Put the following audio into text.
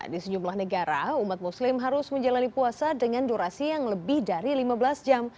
di sejumlah negara umat muslim harus menjalani puasa dengan durasi yang lebih dari lima belas jam